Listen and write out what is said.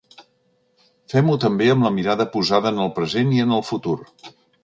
Fem-ho també amb la mirada posada en el present i en el futur.